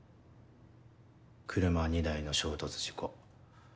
車２台の衝突事故。